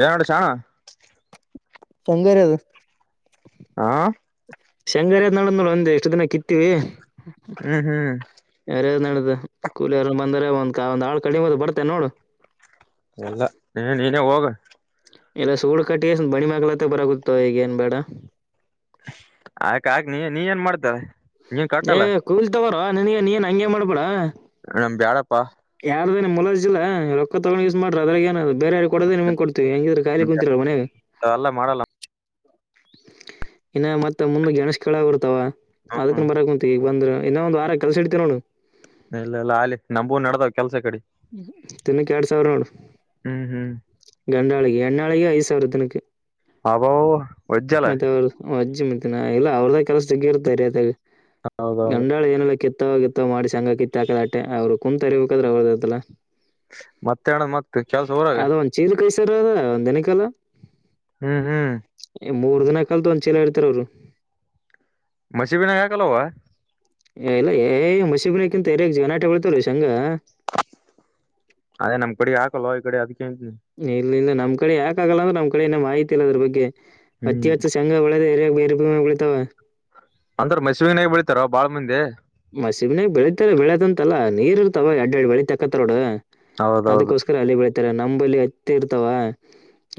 N ನಡಸಿ ಅಣ ಸಂಗರಿ ಅದು ಹಾ ಶಂಗಾಹರಿಯದು ನಡ್ ನೋಡ ಒಂದ ಎಷ್ಟು ದಿನ ಕಿತ್ತೀವಿ ಹ್ಮ್ ಹ್ಮ್ ಯಾರ್ ನಡ ಕೂಲಿಯಾರ ಬಂದರೆ ಒಂದ್ ಒಂದ್ ಆಳು ಕಡಿಮದು ಬರ್ತೆೇ ನೋಡು ಎಲ್ಲ ನೀ ನೀನೇ ಹೋಗ ಎಲ್ಲ ಸೂಳ್ ಕಟ್ಟಿ ಬಣಿಮಗ್ಲತ್ತ ಬರಾಗುತ್ತ ಈಗ ಏನ್ ಬೇಡ ಆಕ ಆಕ್ ನೀ ನೀ ಏನ್ ಮಾಡ್ತಾರ ನೀನ್ ಏ ಕಟ್ಟಲ್ಲ ಕಯಲ್ ತಗರ ನನ್ಗೆ ನೀನ್ ಹಂಗಗೆ ಮಾಡ್ಬೇಡ ನಮ್ ಬ್ಯಾಡಪ್ಪಾ ಯಾರ್ದನ ಮುಲರ್ಜಿಲ್ಲಾ ರೊಕ್ಕ ತೊಗೊಂಡು ಯೂಸ್ ಮಾಡ್ರ ಅದ್ರಾಗ ಏನ ಬೇರ ಯಾರ ಕೊಡದ ನಿಮಗೆ ಕೊಡ್ತೀವಿ ಹೆಂಗಿದ್ರ ಖಾಲಿ ಕುಂತರ ಮನ್ಯಾಗ ಎಲ್ಲ ಮಾಡಲ್ಲ ಇನ್ನು ಮತ್ತ ಮುಂದ ಣೇಶ್ ಕೇಳಳಗರ್ತಾವ ಅದಕನ್ ಬರಕ್ ಕುಂಂತ ಈಗ ಬಂದ್ರ ಇನ್ನೋ ಒಂದ ವಾರ ಕೆಲಸ ಹಡ್ತೀ ನೋನು ಇಲ್ಲಲ್ಲಾ ಆಾಲಲಿ ನಮೂ ನಡದಾವ್ ಕೆಲ್ಸ ಕಡೆ ತಿನ್ನಕ್ಕೆ ಎಡ್ ಸಾವಿರ ನೋಡು ಹ್ಮ್ ಹ್ಮ್ ಗಂಡಾಳಿಗೆ ಹೆಣ್ಣಾಳಿಗೆ ಐ ನ ಅಬೋ ವಜ್ಜಲ ಮೆ ಅಜ್ಜಿ ಮ ಇಲ್ಲ ಅವ್ರದ ಕೆಲಸ್ದ ಇರ್ತ ರ ಅದ ಹೌದೌದು ಗಂಡಾಳ ಏನೆಲ್ಲ ಕೆತ್ತವ ಕೆತ್ತವ ಮಾಡ ಚಂಗ ಕಿತ್ತಾಕದ ಆೆ ಅವರು ಕು್ಂತರಿ್ರ ಅವ್ರದಲ್ಲ ಮತ್ತೆ ಅಣ್ಣದ್ ಮಕ್ತ್ ಕೆಲ್ಸ ಊರಾಗ ಕೈ ಸರ್ ಅದ ಒ ದೆಿನಕಾಲ ಹ್ಮ್ ಹ್ಮ್ ಮೂರ್ ದಿನ ಒಂದ್ ಚೀಲ ಹರಿತಾರ್ ಅವರು ಮಸಿಬಿನ ಯಾಕಲ್ವಾ ಏ ಇಲ್ಲ ಏ ಮಸೀಬನಕ್ಕಿಂತ ಯರಗ್ ಜನ ಆಟೆ ಹೇಳ್ತಾರ ಸಂಂಗ ಅದೇ ನಮ್ ಕಡೆ ಹಾಕಲ್ವ ಈ ಕಡೆ ಅದ್ಕ್ಕೆ ಇ ಇಲ್ಲ ನಮ್ ಕಡೆ ಯಾಕಾಗಗಲ್ಲ ಅಂದ್ರೆ ನಮ್ ಕಡೆಏೇ ಮಾಹಿತಿ ಇಲ್ಲ ಅದ್ರ ಬಗ್ಗೆ ಹ್ಮ್ ಅತಿಿಯಚ್ಚ ಸಂಘ ಒೇ ಕುಳಿತಾವ ಅಂತರ ಮೈಸೂನಾಗ ಬೆಳಿತತಾರ ಬಾಳ ಮಂದಿ ಮ ಸಿಮನಾಗಗ್ ಬೆಳಿತಾರ ಬೆಳೆದ ಅಂತಲ್ಲಾ ನೀರ್ ಇರ್ತಾವ ಎರಡ್ ಎರಡ್ ಬೆಳಿ ತೆಕ್ಕತ್ತೋಡ ಹೌದೌದು ಅದಕ್ಕೋಸ್ಕರ ಅಲ್ಲಿ ಬೆಳಿತಾರ ನಂಬಲ್ಲಿ ಹತ್ತೆ ಇರ್ತಾವ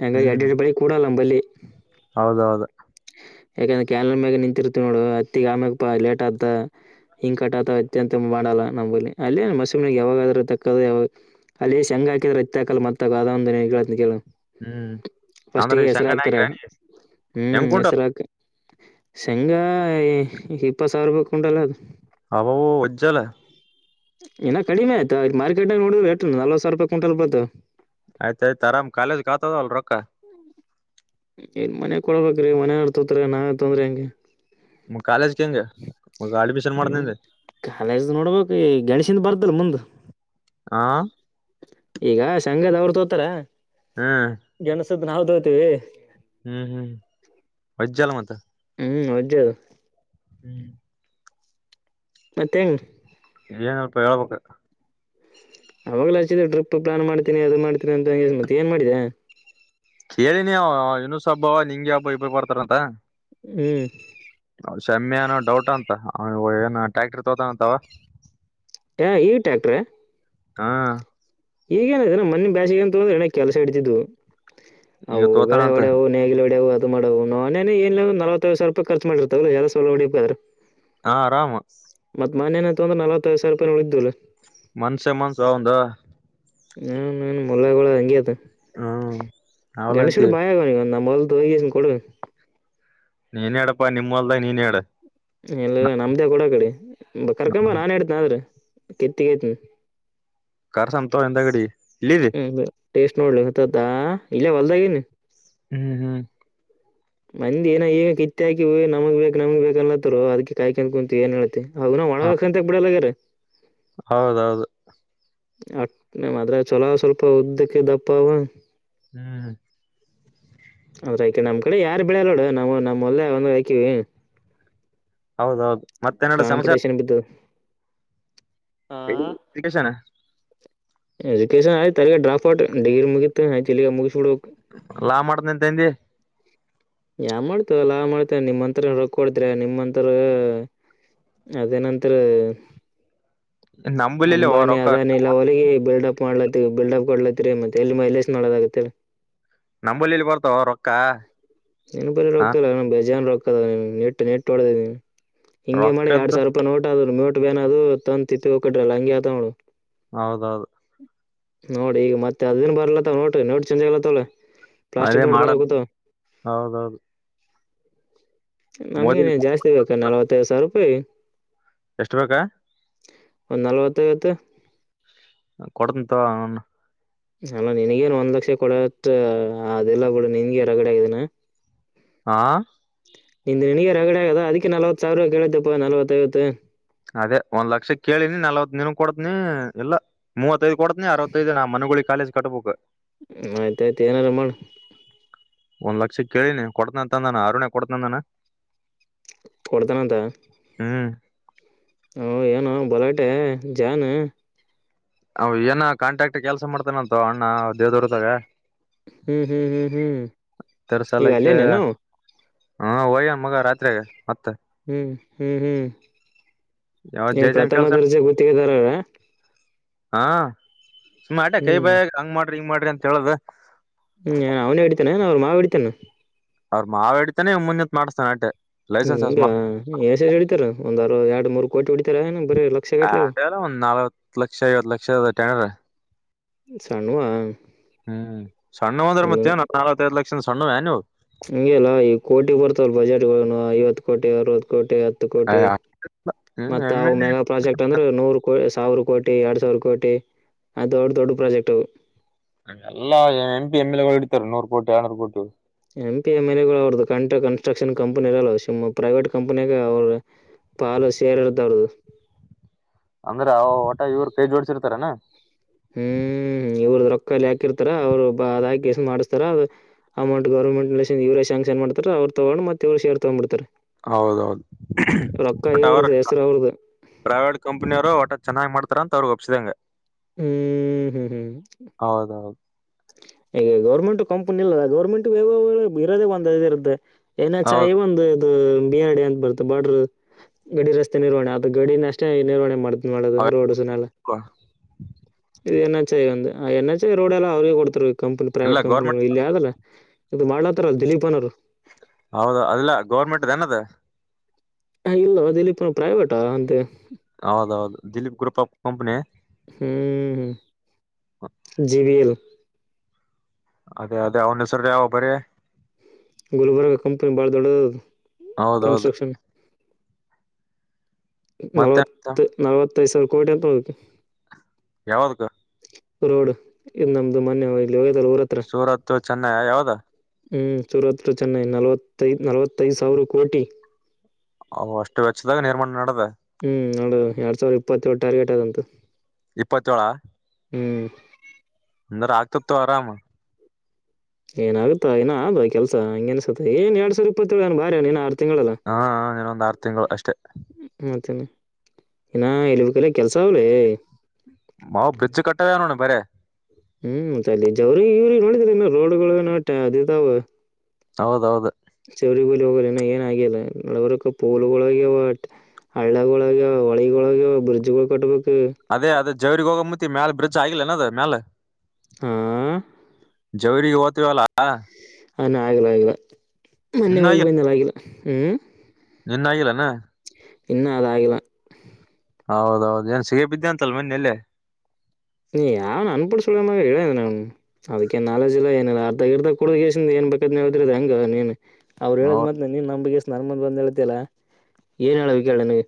ಹಂಗ ಎರಡ್ ಹ್ಮ್ ಎರಡು ಬಳಿ ಕೂಡಲ್ಲ ನಂಬಲ್ಲಿ ಹೌದೌದು ಯಾಕಂದ್ರೆ ಕ್ಯಾನ್ ಮ್ಯಾಗ ನಿಂತಿರ್ತ ನೋಡು ಅತ್ತಿಗ ಆಮ್ಯಾಗ ಬಾ ಲೇಟ್ ಆತ ಹಿಂಗ ಕಟ್ಟಾತ ಅತ್ಯಂತ ಮಾಡಲ್ಲ ನಂಬಲ್ಲಿ ಅಲ್ಲಿ ಮಸೂಗೆ ಯಾವಾಗದ್ರಕ್ಕ ಯಾಗ ಅಲ್ಲಿ ಶಂಗ್ ಹಾಕಿದ್ರೆ ಇತ್ತಾಕಲ್ಲ ಮತ್ತ ಒಂದ್ [unintelligible] ಹೇಳ್ತೀನಿ ಕೇಳ್ ಹ್ಮ್ ಅಂದ್ರೆ ಫಸ್ಟಿಗೆ ಈ ಹೆಸ್ರ್ ಶಂಗನ ಹಾಕ್ತಾರೆ ಹಾಕಿರ ಹೆಂಗ್ ಹ್ಮ ಕುಂಟ ಶೆಂಗಾ ಇಪ್ಪತ್ ಸಾವಿರ ರೂಪಾಯಿ ಕುಂಟಲ್ ಅದ ಅವೋ ಉಜ್ಜಲ ಇನ್ನ ಕಡಿಮೆ ಆಯ್ತಾ ಈ ಮಾರ್ಕೆಟ ನೋುದು ರೇಟ್ ನಲವತ್ ಸಾವಿರಪಾಯಿ ಕ್ವಿಂಟಲ್ ಬೀಳತದ ಆಯ್ತ್ ಆಯ್ತ್ ಆರಾಮ್ ಕಾಲೇಜ್ ಆತದಲ್ ರೊಕ್ಕ ಏನ್ ಮನೆ ಕೊಡಬೇಕ್ರೀ ಮನೆ ನಡ್ತತ್ರಿ ನಾವ ತೊಂದ್ರೇ ಹೆಂಗ ಕಾಲೇಜ್ಗೆ ಹೆಂಗ ಅಡ್ಮಿಷನ್ ಮಾಡ್ದಂದೆ ಕಾಲೇಜ್ ನೋಡ್ಬೇಕ ಗೆಣ್ಸ್ ಹಿಂದ ಬರ್ದಲ್ ಮುಂದ್ ಹಾ ತೋತರಾ ಹ್ಮ್ ತದ್ ನಾವು ತೋತೀವಿ ಹ್ಮ್ ಹ್ಮ್ ಮಜ್ಜಾಲ ಮತ್ತ [unintelligible] ಹ್ಮ್ ಮತ್ತೇಂಗ ಏನಪ್ಪಾ ಹೇಳ್ಬೇಕಾ ಅವಾಗ್ಲೇ ಹಚ್ಚಿದೆ ಟ್ರಿಪ್ ಪ್ಲಾನ್ ಮಾಡ್ತೀನಿ ಅದು ಮಾಡ್ತೀನಿ ಅಂತಂದಿನಿ ಮತ್ ಏನ್ ಮಾಡಿದ್ಯಾ [unintelligible] ಅವ್ಳ್ ಹ್ಮ್ ಕ್ಷಮ್ಯನೋ ಡೌಟ್ ಅಂತ [unintelligible] ಏನು ಟ್ರಾಕ್ಟರ್ ತೋತಾನಂತವ ಏ ಈ ಟ್ರ್ಯಾಕ್ಟರ ಹಾ [unintelligible] ಈಗ ಅವು ಉಗಳೆ ತೋತಾನಂತ ಹೊಡೆವು ನೇಗಿಲು ಹೊಡೆವು [unintelligible] ಹಾ ಆರಾಮ ಮನೇನೇ ತೊಂದರ ನಲವತ್ ಐವತ್ ಸಾವಿರ್ ರೂಪಾಯಿ ನೋಡಿದ್ವಲ್ಲ ಮನಸೇ ಮನ್ಸಾ ಅವ್ನ್ದ [unintelligible] ಮಲ್ದ್ ಹೊಯಿ ಹ್ಮ್ ಅವಲ್ಲ ಅಂತಿ ಇದನ್ನ ಕೊಡ ನೀನೇ ಇಡಪ್ಪ ನಿಮ್ ಹೊಲ್ದಾಗ್ ನೀನೇ ಇಡ ಇಲ್ಲ ಇಲ್ಲ ನಮ್ದೇ ಕುಡ ಕಡೆ ಕರ್ಕೊಂಬ ನಾನ್ ಹೇಳ್ತನ ಆದ್ರೆ [unintelligible] ಕಾರ್ಸಂತೋ ಹಿಂದ ಗಡಿ ಹ್ಮ್ ಹ್ಮ್ ಟೇಸ್ಟ್ ನೋಡ್ಲಿ ಹೊತ್ತದಾ ಇಲ್ಲೇ ಹೊಲ್ದಾಗೀವ್ನಿ ಹ್ಮ್ ಹ್ಮ್ ಮಂದಿ ಏನ ಈಗ ಕಿತ್ತ ಹಾಕ ನಮಗ್ ಬೇಕ್ ನಮಗ್ ಬೇಕ ಅನ್ಲತ್ತರು ಅದಕ ಕಾಯ್ಕಂತ ಕುಂತು ಏನ್ ಹೇಳ್ತಿ ಅದ್ನೂ ಒಣಗಾಕ್ ಅಂತ ಬಿಡಲ್ಲಾಗ್ಯಾರ ಹೌದೌದು ಅಟ್ನೇ ಮಾದ್ರೆ ಚಲೋ ಸ್ವಲ್ಪ ಉದ್ದಕ್ಕೆ ದಪ್ಪ ಅವ ಹ್ಮ್ ಅದ್ರಯಕ ನಮ್ ಕಡೆ ಯಾರು ಬೆಳಲ್ಲೋಡು ನಾವು ನಮ್ ಹೊಲ್ದಾಗ ಅವ್ನೆ ಹೈಕಿವಿ ಹೌದೌದು ಮತ್ತೆನ್ನಡ ಸಮಾಚಾರ ಕಾಂಪಿಟಿಷನ್ ಬಿದ್ದು [unintelligible] ಎಜುಕೇಶನ್ ಆಯ್ತ ತಗ ಡ್ರಾಪ್ ಔಟ್ ಡಿಗ್ರಿ ಮುಗಿತ್ ಇಲ್ಲಿಗ ಮುಗಿಸ್ಬಿ ಲಾ ಮಾಡ್ತ ಎಂತ ಎಂದಿ ಯಾ ಮಾಡ್ತೇ ಅಲ್ಲಾ ಮಾಡ್ತೇ ನಿಮ್ಮಂಂತತ್ರ ರಕ್ ಕೊತ್ರ ನಿಮ್ಮಂಂತರ ಅದೇ ನಂತರ ನಂಬಲಿಲ್ಲಿ ಅಂಬಾನಿ ರೊಕ್ಕ ಅದಾನಿಲ್ಲ ಹೊಲಗೆ ಬಿಲ್ಡಪ್ ಮಾಡ್ಲತಿ ಬಿಲ್ಡ್ ಅಪ್ ಕೊಡ್ಲತ್ರಿ ಮತ್ತೆ ಎಲ್ಲಿ ಮೈಲೇಶ್ ನೋದ ಆಗತ್ತ ಹೇಳ ನಂಬಲ್ಲಿಲ್ಲಿ ಬರ್ತಾವ ರೊಕ್ಕ ನೀನ್ ಬರಿ ಹ ರೊಕ್ಕಲ್ಲ ಬಜಾನ ರೊಕ್ಕತದಟ್ಟು ನೆಟ್ಟು ಹೊಡ ಹಿಂಗೆ ಮಾಡಿ ಎರಡ್ ರೊಕ್ಕದ್ದು ಸಾವಿರ ರೂಪಾಯಿ ನೋಟ್ ಆದ್ರು ನೋಟ್ ಬ್ಯಾನ್ ಅದು ತಂತಿತ್ತು ಹೋಗಕ್ರಲ್ಲ ಹಂಗೆ ಆತ ನೋಡು ಹೌದೌದು ನೋಡಿ ಈಗ ಮತ್ತೆ ಅದನ್ ಬರ್ಲತ್ತ ನೋಟ್ರ ನೋಡಿ ಚಂದಾಗಗ್ಲತ್ತವಳೆ ಅದೇ ಪ್ಲಾಸ್ಟಿಕಕ್ ನೋಡ್ ಮಾಡ ಬರಾಗೂತ ಹೌದೌದು ಮೋದಿ ನಮ್ಗನೆ ಜಾಸ್ತಿ ಬೇಕಾ ನಲ್ವತ್ತೈದು ಸಾವಿರ ರೂಪಾಯಿ ಎಷ್ಟ ಬೇಕಾ ಒ ನಲ್ವತ್ತ ೈವತ್ತು ಕೊಡಂತದಾ ಅವ ಅಲ್ಲ ನಿನಗೇನ್ ಒಂದ್ ಲಕ್ಷ ಕೊಡತ್ ಅದೆಲ್ಲ ಬಿಡ ನಿನ್ಗ ಹೊರಗಡೆ ಆಗಿದಿನ ಆ ನಿಂದ್ ನಿನಗೆ ರಗಡೆ ಆಗದ ಅದಕ್ಕೆ ನಲ್ತ್ ಸಾವಿರ ಕೇಳ್ದಪ್ಪಾ ನಲವತ್ತೈವತ್ತು ಅದೇ ಒಂದ್ ಲಕ್ಷ ಕೇಳಿನಿ ನಲ್ವತ್ ನೀಿನ ಕೊಡದ್ನಿ ಎಲ್ಲ ಮೂವತ್ ತ್ತೈದು ಕೊತನ ಅವತ್ತೈದು ನ ಮಗಳ ಕಾಲೇಜ ಕಟ್ಬಬೇಕು ಹ್ಮ ಆಯ್ತಾಯಯ್ತು ಏನಾರು ಮಾಡು ಒಂದ್ ಲಕ್ಷ ಕೇಳಿನಿ ಕೊಡ್ತನಂತಂದಾನ ಆರುಣ್ಯ ಕೊಡ್ತನಂದನ ಪರ್ಧಾನದ ಹಓ ಏನು ಬಲಟೆ ಜಾನ್ ಅವ ಏನ ಕಾಂಟ್ಯಾಕ್ಟ್ ಕೆಲ್ಸ ಮಾಡ್ತೇಾನಂತು ಅಣ್ಣ ದೇವ್ವ್ರದಾಗ ಹ್ಮ್ ಹ್ಮ್ ಹ್ಮ್ ಹ್ಮ್ ಈಗ ತರ್ಸಲಕ್ಕೆ ಅಲ್ಲೇನನು ಹಾ ಒಯ್ಯ ಮಗ ರಾತ್ರಿಾಗ ಮತ್ತೆ ಹ್ಮ್ ಹ್ಮ್ ಹ್ಮ್ ಯಾವ ನೀನ್ ಜೈಜಾಮ್ ಪ್ರಥಮ ಕೆಲ್ಸ ದರ್ಜೆ ಗೊತ್ತಿಗೆದಾರ್ರ ಹಾ ಸುಮಾ ಅಟೇ ಕೈ ಹ್ಮ್ ಬಯ ಹಂಗ ಮಾಡ್ರಿ ಹಿಂಗ್ ಮಾಡ್ರಿ ಅಂತ ಹೇಳುದ ಹ್ಮ್ ನನ್ ಅವನೇ ಹಡಿತಾನೆ ನ ಅವ್ರ ಮಾವ ಹಡಿತತಾನ ಅವ್ರರು ಮಾವ ಹೇಡಿತಾನೆ ಮುಂದೆತ್ ಮಾಡ್ಸ್ತಾನೆ ಆಟೆ ಲೈಸೆನ್ಸ್ ಹಂಗ ಎ ಸ ಹಡಿತಾರ ಒಂದ್ರು ಎರಡು ಮೂರು ಕೋಟಿ ಹೊಡಿತ ಅದೇ ಅಲ್ಲ ಒಂದ್ ನಾಲ್ವತ್ ಲಕ್ಷ ಐವತ್ ಲಕ್ಷನ್ರ ಸಣವಾ ಹ್ಮ್ ಸಣ್ಣ ಅಂದ್ರೆ ಮತ್ತೆವ ನ ನಾವತ್ತೈದ್ ಲಕ್ಷದ ಸಣ್ಣವ್ಯಾ ನೀವು ಹಂಗಗೆಲ್ಲ ಈಗ ಕೋಟಿ ಬರ್ತವಲ್ ಬಜೆಟ್ ಐವತ್ತು ಕೋಟಿ ಅರವತ್ತು ಕೋಟಿ ಕೋಟಿ ಹ್ಮ್ ಮ ಎಮ್ ಎಲ್ ಮೆಗ ಪ್ರೆಕ್ಟ್ ಅಂದ್ರ ನೂ ಸಾವಿರ ಕೋಟಿ ಎರಡ್ ಸಾವಿರ ಕೋಟಿ ಅ ದೊಡ್ ದೊಡ್ಡ ಪ್ರಾಜೆಕ್ಟ್ [inaudible] ಎಲ್ಲಾ ಎಂ ಪಿ ಎಂ ಎಲ್ ಗಳು ಇಡ್ತಾರೆ ನೂರು ಕೋಟಿ ಆಳ್ನೂರು ಕೋಟಿ [inaudible] ಎಂ ಪಿ ಎಮ ಎ ಗಳು ಅವ್ರದ್ದು ಕಂಟ ಕನ್ಟ್ರಕ್ಷನ್ ಕಂಪ್ನಿ ಇರಲ್ಲ ಸಮ್ಮ್ ಪ್ರೈವೇಟ್ ಕಂಪ್ನಿಗೆ ಅವರು [inaudible] ಪಲು ಸೇರೆರ್ದ ಅವ್ರದು [inaudible] ಅಂದ್ರೆ ಅವ ಒಟ ಇವ್ರು ಕೈ ಜೋಡ್ಸಿರ್ತಾರನಾ [inaudible] ಹ್ಮ್ ಇವ್ರದ ರೊಕ್ಕ [inaudible] ಹಾಕಿರ್ತಾರ ಅವ್ರು ಬ ಅಾಕಸ ಮಾಡ್ತಾರ ಅಮೌಂಟ್ ಗವರ್ಮೆಂಟ್ ಇವರೇ ಶಾಂಕ್ಷನ್ ಮಾಡ್ತಾರೆ ಅವ್ರ [inaudible] ತಗೋ ಮತ್ತವ್ ಶೇರ್ ತಗೊಂಬಡ್ತಾರೆ [inaudible] ಹೌದೌದು ಬಟ್ ಅವರು ಇವ್ರದು [inaudible] ಹೆಸರು ಅವ್ರದು ಪ್ರೈವೇಟ್ ಕಂಪನಿಯ ಅವರು ಒಟ ಚನ್ನಾಗ್ ಮಾಡ್ಾರೆ [inaudible] ಹತ್ರ ತ್ರಗ ಒಪ್ಪಸಿದೆಂಗ ಹ್ಮ್ ಹ್ಮ್ ಹ್ಮ್ ಹೌದೌದು [inaudible] ಈಗ ಗೌರ್ಮೆಂಟ್ ಕಂಪನಿ ಇಲ್ಲ ಗೌರ್ಮೆಂಟ್ ಇರೋದೇ ಒಂದ ಇರ್ದೆ [inaudible] ನ ಚ ಹೌದು ಒಂದು [inaudible] ಬಿಡಿ ಅಂತ ಬರುತ್ತೆ ಬಾರ್ಡ್ರ ಗಡಿ ರಸ್ತೆ ನಿರ್ವಹಣೆ ಅದು ಗಡಿನ ಅಷ್ಟೇ ನಿರ್ವಹೆ ಮಾಡ್ತಾರೆ [inaudible] [inaudible] ನದು ರೋಡ್ಸನ ಎಲ್ಲ [unintelligible] ಇದು ಎನ್ ಎಚ್ ಐ ಅ ಆ ಎನ್ ಎಚ್ ಐ ರೋಡ್ ಎಲ್ಲ ಅವ್ರರಿಗೆ ಕೊಡ್ತ ಈ ಇಲ್ಲ ಕಂಪ್ನಿವಟ್ ಗೌರ್ಮೆಂಟ್ ಕಂಪ್ನಿಗಳು ಇಲ್ಲಿ ಅದಲ್ಲ [inaudible] ಇದು ಮಾಡ್ಲತ್ತಾರಲ್ ದಿಲೀಪನವರು [inaudible] ಹೌದ ಅದಲ್ಲ ಗೌರ್ಮೆಂಟ್ನದ [unintelligible] ಹ ಇಲ್ಲವ ದಲ್ಲಿ ಪನು ಪ್ರೈವೇಟಾ ಅಂತೆ [inaudible] ಹೌದ ಹೌದು ದಿಲೀಪ್ ಗ್ರರುಪ್ ಕಂಪನಿ [inaudible] ಹ್ಮ್ ಜಿ ಬಿ ಎಲ್ [unintelligible] ಅದೇ ಅದೇ ಅವನ ಹೆಸ್ರ ಯಾವ ಬರೀ [inaudible] ಗುಲ್ಬರ್ಗ ಕಂಪನಿ ಭಾಳ ದೊಡ್ಡದು ಹೌದೌದು ಕನ್ಸ್ಟ್ರಕ್ಷನ್ [inaudible] ಮತ್ತೆ ನಲವತ್ತು ನಲವತ್ತೈದು ಸಾವಿ ಕೋಟಿ ಅಂತದು [inaudible] ಯಾವದಕ್ಕ [inaudible] ರೋಡ್ ಇದು ನಮ್ದು ಮಾನ್ಯವಾಗಿ [inaudible] ಸೂರತ್ ಚೆನ್ನೈ ಯಾವದಾ [inaudible] ಹ್ಮ್ ಸೂರತ್ ಚೆನ್ನ ನಲವತ್ತದು ನಲವತ್ತದು ಸಾವಿರ ಕೋಟಿ [inaudible] ಅ್ ಅಷ್ಟು ವೆಚ್ಚದಾಗ ನಿರ್ಮಾಣ ನಡೆದೆ [inaudible] ಹ್ಮ್ ನೋಡ ಎರಡ್ ಸಾವಿರದ ಇಪ್ಪತ್ತೇಳಳು ಟಾರ್ಗೆಟ್ ಆದದಂತೂ [inaudible] ಇಪ್ಪತ್ತೋೇಳ [inaudible] ಹ್ಮ್ [inaudible] ಅಂದ್ರ ಆಗ್ತತ್ತು ಆರಾಮ [inaudible] ಏನಾಗುತ್ತ ಇನ ಅ ಕೆಲಸ ಹಂಗ ಅನ್ಸುತ್ತೆ ಏನ್ ಎರಡ್ ಸಾವಿರ ಇಪ್ಪತ್ತೇಳ ಬಾರೆ [inaudible] ಹಾ ಇನೊಂದ್ ಆರು ತಿಂಗಳು ಅಷ್ಟೆ [inaudible] ಏನ ಎಳವ ಕಲ್ಲ ಕೆಲಸ ಆ ಅವಳ [inaudible] ಮಾವು್ ಬ್ರಿಡ್ಜ್ ಕಟ್ಟದನಣ ಬರ [inaudible] ಹ್ಮ್ ಚ ಜವ್ರ ಇವ್ರಿಗೆ ನೋಡಿದ್ರ ರೋಡ್ಗಳು ನೋಟ ಅದಾವ [inaudible] ಹೌದೌದು [inaudible] ಚೌರಿ ಬಲಿ ಹೋಗಲ್ಲನ ಏನ ಆಗ್ಯಲ್ಲ ನಡವರಕ ಪೋಲ್ಗಳಗಾವಟ್ [inaudible] ಹಳ್ಳಗಳೊಳಗೆ ಹೊಳಿಗಳೊಳಗೆ ಬ್ರಿಜ್ಗಳು ಕಟ್ಬೇಕು ಅದೇ ಅದೇ ಜವರಿಗ್ ಹೋಗಂಬತ್ತ ಮ್ಯಾಲ ಬ್ರಿಜ್ ಆಗಿಲ್ಲ ಅನದ್ ಮ್ಯಾಲ [inaudible] ಹಾ [inaudible] ಜವರಿಗೆ ಓ್ತವಲ್ಲಾ [inaudible] ಹಾನ ಆಗ್ಲ ಆಗಿಲ್ಲ ಮೊನ್ನೆ ಹೋಗಿ ಇನ್ನಾಗಿ ಬಂದಲ್ಲ ಆಗಿಲ್ಲ ಹ್ಮ್ [inaudible] ನಿನ್ನ ಆಗಿಲ್ಲಾನ [inaudible] ಇನ್ನ ಅದ ಆಗಲ [inaudible] ಹೌದೌದು ಏನ್ ಸಿಗ ಬಿದ್ದೆ ಅಂತಲ್ ಮೊನ್ನೆಯಲ್ಲೇ [inaudible] ನೀ ಯಾವನ ಅನ್ಪು ಸು ಹೇಳ [inaudible] ಹ್ಮ್ ಅದಕ್ಕೇನ್ ನಾಲಜ್ ಇಲ್ಲ ಏನಲ್ಲ ಅರ್ದಗ ಇರ್ದ ಕುಡ ಏನ್ ಬೇಕಾದ್ ಹದ್ರ ಅದ ಹಂಗ ನೀನ್ [inaudible] ಅವ್ರು ಹೇಳದ್ ಹೌದು ಮಾತ್ ನೀನ್ ನಮಗ್ಷನರ್ಮಂದ್ ಬಂದ ಹೇಳ್ತಲ್ಲಾ ಏನ್ ಹೇಳಬೇಕ ಕೇಳ ನೀಗೆ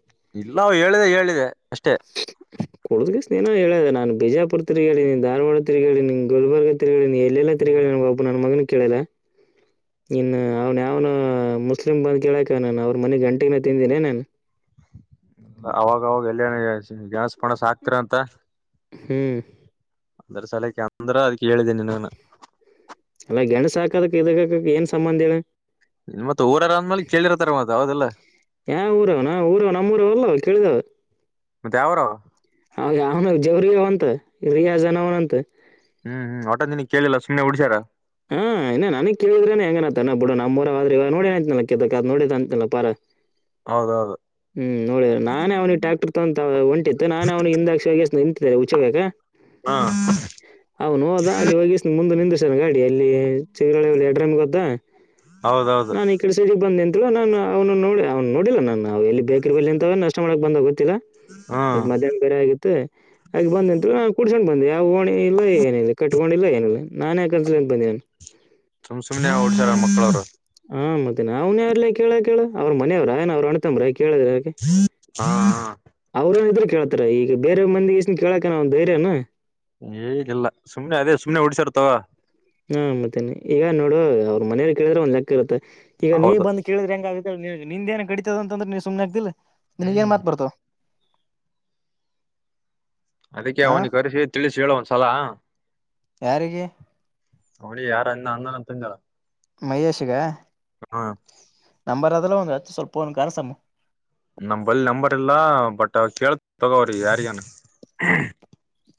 ಇಲ್ಲಾವು ಹೇಳಿದೆ ಹೇಳಿದೆ ಅಷ್ಟೇ ಕೊಡದುಗ ಏೋ ಹೇಳದ ನಾನ್ ಬಿಜಾಪುರ್ ತಿಗಡಿ ನೀನ್ ಧಾರವಾಡ ತಿರುಗಿ ನಿನ್ ಗುಲ್ಬರ್ಗ ತಿರುಗಾಡಿ ನೀ ಎಲ್ಲ ತಿರಿಗಿ ನ ಬಾಬು ನನ್ ಮಗನ ಕೇಳಲ್ಲ ಇನ್ ಅವ್ನ್ ಯಾವ್ನ ಮುಸ್ಲಿ ಬಂದ ಕೇಳಕ ನಾನನ್ ಅವ್ರ ಮನಿಗ್ ಗಂಟಗನ ತಿಂದನಿ ನನ್ ಅವಾಗ ಅವವಾಗ ಎಲ್ಲ ನ್ಸ್ ಪಣಸ ಹಕ್ತರ ಅಂತ ಹ್ಮ್ ಅಂದ್ರ ಸಲಕ್ಕೆ ಅಂದ್ರ ಅದ್ಕ್ಕೆ ಹೇಳಿದ್ದೀನಿ ನ ಅಲ್ಲ ಗೆಣು ಸಾಕದಕ್ ಇದ ಏನ್ ಸಂಬಂಧ ಹೇಳ ಮತ್ ಊರಾರ ಅಂದ್ಮೇಲೆ ಕೇಳಿರ್ತಾರ ಮತ್ ಹೌದಿಲ್ಲ ಯ ಊರಾವಣ ಊರ ನಊರಲ್ಲ ಕೇಳಿದಾವ ಮತ್ತೆ ಯಾವರ ಅವ ಅವನು ಜವ್ರಾವಂತ ಯ ಜನವನಂತ ಹ್ಮ್ ಒಟ್ಟಂದಿನ ಕೇಳಿಲ್ಲ ಸು್ನೆ ಉಡಸ್ಯಾರ ಹಾ ಇನ್ನ ನನಗ್ ಕೇಳಿದ್ರೇನೆ ಹೆಂಗನ ಬಿಡ ನಮ್ಮ್ರವ ಆದ್ರ ಈಗ ನೋಡಂತನಲ್ಲದ ಅ ನೋಡಿದ ಅಂತನಲ್ಲ ಪಾರ ಹೌದೌದು ಹ್ಮ್ ನೋಡ ನಾನೇ ಅವ್ನಿಗೆ ಟ್ರ್ಯಾಕ್ಟರ್ ತಗೊ ಹೊಂಟಿತ್ತು ನಾನೇ ಅವ್ನು ಹಿಂದಾಕ್ಷಿ ನಿ ಹಚ್ಬೇಕಾ ಹಾ ಅವನು ಹೋದ ಅಲ್ಲಿ ಒಗ ಮುಂದೆ ನಿಂದಷ್ಟಾನ ಗ ಇ ಚಗಿ ಎಡ್ರನ್ ಗೊತ್ತಾ ಹೌದೌದು ನಾ ಈ ಕಡೆ ಂದ ನಿಂತ ನು ಅವನು ನೋಡಿ ಅವ್ ನೋಡಿಲ್ಲ ನವು ಎ ಬೇಕಿರ್ ಬ ಅಂತೇ ನಷ್ಟ ಮಾಡಕ್ ಬಂದಾಗುತ್ತೆ ಮತ್ತ ಹ್ಮ್ ಮಧ್ಯಾಹ್ನ ಬೇರೆ ಆಗಿತ್ತು ಹಾಗ ಬಂದ ಅಂತ ನಾ ಕುಡ್ಸಕೊಂಡ ಬಂದೆ ನೋಣ ಇಲ್ಲ ಏನಿಲ್ಲ ಕಟ್ಕೊಂಡಿಲ್ಲ ಏನಿಲ್ಲ ನಾನನ್ ಯ ಕಲ್ಸ ಬಂದು ಸುಮ್ ಸುಮನೆ ಡ್ತಾರ ಮಕ್ಕಳವ್ರು ಹಾ ಮತ್ತೆ ನಾವ್ನ್ ಯಾರಲ್ಲ ಕೇಳ ಕೇಳ ಅವ್ರ ಮನೆಯವ್ರನ್ ಅವ್ರ ಅಣತಂಬ್ರಕಿ ಕೇಳಿದ್ರೆ ಹಾ ಅವ್ರೇಏನಿದ್ರೆ ಕೇಳ್ತಾರ ಈಗ ಬೇರೆ ಮಂದಿಗೆ ಎಷ್ಟನ್ ಕೇಳಕ ಒಂದು ಧೈರ್ಯನ ಏಜಿಲ್ಲಲ್ಲ ಸುಮ್ನೆ ಅದೇ ಸುಮ್ನೆ ಉಡ್ಸರ್ತವ ಹಾ ಮತ್ತೇನೆ ಈಗ ನೋಡು ಅವ್ರ ಮನೇಲಿ ಕೇಳಿದ್ರೆ ಒಂದ್ಲೆಕ್ಕ ಇರುತ್ತೆ ಈಗ ನೀವ್ ಹೌದು ಬಂದು ಕೇಳಿದ್ರೆ ಹೆಂಗುತ್ತೆ ನಿಂದ ಏನ್ ಕಡಿತದ ಅಂತಂದ್ರ ನೀ ಸು್ನೆ ಆಗ್ತಿಿಲ್ಲ ನಿ ನೀನ್ ಹ್ಮ್ ನ್ತಾಡ್ತ ಅದಕ್ಕೆ ಆ ಅವನಿಗೆ ಕಸ ತಿಳಿಸಿ ಹೇಳ ಒಂದಸಲ ಯಾರಿಗೆ ಅವಳಿ ಯಾರ ಅನ್ನ ಅಂದನ ತಂಗಳ ಮಹೇಶ್ಗ ಹಾ ನಂಬರಲ್ಲ ಒಂದು ಸ್ಲ್ಪ ಒ ಕರಸಾಮ ನಮ ಬಳಿ ನಂಬರ್ ಇಲ್ಲ ಬಟ್ ಕೇಳ್ ತಗೋ್ರಿ ಯಾರಿಗನು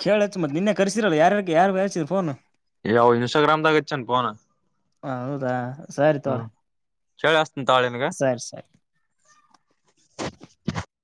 ಕೇಳತ್ ಮತ್ತೆ ನಿೆ ಕಸಿರಲ್ಲ ಯಾರ ಯಾರು ಹರ್ಸೀರ್ ಫೋನ್ ಯಾವ ಇನ್ಸ್ಟಾಗ್ರಾಮ್ ದಾಗ ಇಚ್ಚನ್ ಪೋನ ಹ ಹೌದಾ ಸರಿ ಹ್ಮ ತವ್ರ ಚಳ ಅತ ತಾಳನುಗ ಸರಿ ಸರಿ [unintelligible]